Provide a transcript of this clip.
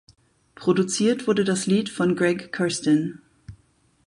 Produziert wurde das Lied von Greg Kurstin.